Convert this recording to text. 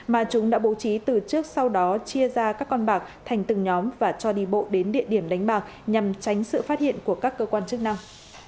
mà chúng đã bố trí từ trước sau đó chia ra các con bạc thành từng nhóm và cho đi bộ đến địa điểm đánh bạc nhằm tránh sự phát hiện của các cơ quan chức năng